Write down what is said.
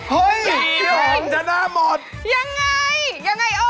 เฮ่ยสีหอมชนะหมดยังไงยังไงโอ๊ย